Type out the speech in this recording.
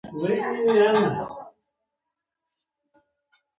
زه ټوکو ته په بله سترګه ګورم.